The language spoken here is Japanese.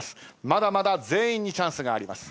まだまだ全員にチャンスがあります。